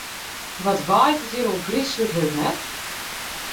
Wat waait it hjir ôfgryslike hurd, net?